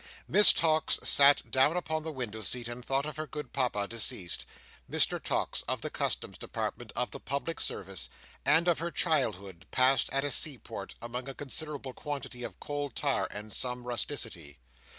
Miss Tox sat down upon the window seat, and thought of her good Papa deceased—Mr Tox, of the Customs Department of the public service; and of her childhood, passed at a seaport, among a considerable quantity of cold tar, and some rusticity.